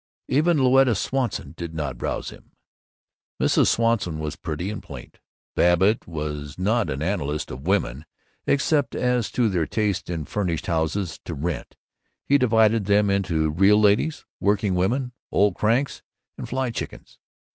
Even Louetta Swanson did not rouse him. Mrs. Swanson was pretty and pliant. Babbitt was not an analyst of women, except as to their tastes in Furnished Houses to Rent. He divided them into Real Ladies, Working Women, Old Cranks, and Fly Chickens.